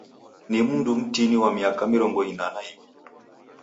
Ni mndu mtini wa miaka mirongo ina na iw'i.